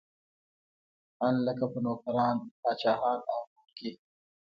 ان لکه په نوکران، پاچاهان او نور کې.